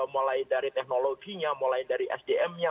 mulai dari teknologinya mulai dari sdm nya